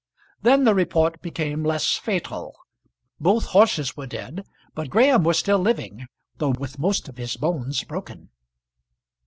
Then the report became less fatal. Both horses were dead, but Graham was still living though with most of his bones broken.